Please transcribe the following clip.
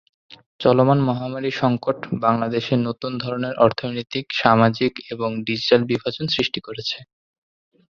চলমান মহামারী সঙ্কট বাংলাদেশে নতুন ধরনের অর্থনৈতিক, সামাজিক এবং ডিজিটাল বিভাজন সৃষ্টি করেছে।